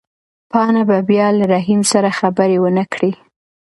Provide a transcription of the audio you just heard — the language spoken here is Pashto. پاڼه به بیا له رحیم سره خبرې ونه کړي.